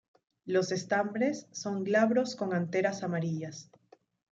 Los estambres son glabros con anteras amarillas.